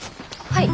はい。